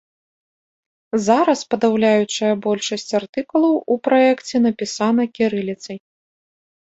Зараз падаўляючая большасць артыкулаў у праекце напісана кірыліцай.